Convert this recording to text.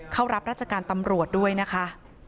เข้ารับราชการตำรวจด้วยนะคะ